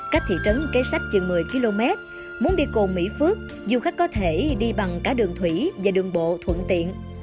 cách thị trấn kế sách chừng một mươi km muốn đi cồn mỹ phước du khách có thể đi bằng cả đường thủy và đường bộ thuận tiện